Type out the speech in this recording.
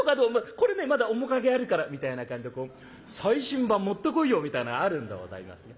これねまだ面影あるから」みたいな感じで「最新版持ってこいよ」みたいなのあるんでございますが。